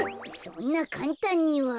そんなかんたんには。